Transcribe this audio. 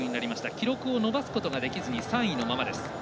記録を伸ばすことができずに３位のままです。